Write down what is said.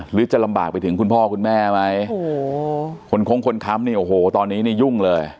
หรือจะลำบากไปถึงคุณพ่อคุณแม่ไหมโอ้โหคนคงคนค้ำนี่โอ้โหตอนนี้นี่ยุ่งเลย